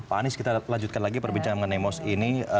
pak anies kita lanjutkan lagi perbincangan dengan nemos ini